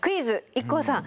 ＩＫＫＯさん。